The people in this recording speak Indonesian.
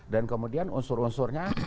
dan kemudian unsur unsurnya